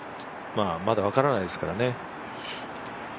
まだ分からないですからね。